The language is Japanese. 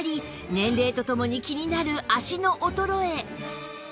年齢と共に気になる足の衰え